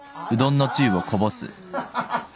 アハハハ。